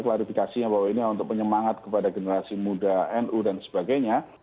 klarifikasinya bahwa ini untuk penyemangat kepada generasi muda nu dan sebagainya